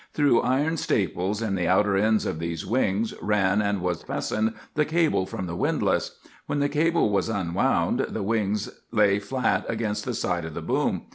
Through iron staples, in the outer ends of these wings, ran and was fastened the cable from the windlass. When the cable was unwound, the wings lay flat against the side of the boom.